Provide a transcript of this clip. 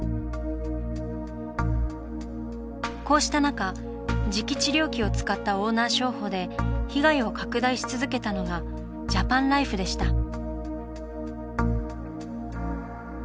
こうした中磁気治療器を使ったオーナー商法で被害を拡大し続けたのがジャパンライフでした。